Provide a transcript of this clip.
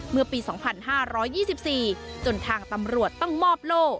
เมื่อปีสองพันห้าร้อยยี่สิบสี่จนทางตำรวจต้องมอบโล่